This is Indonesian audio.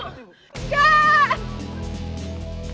berikut tempat tubian